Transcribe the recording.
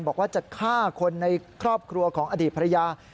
บอกว่าจะฆ่าคนในครอบครัวของอดีตภรรยา